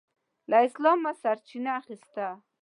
له اسلامه سرچینه اخیسته.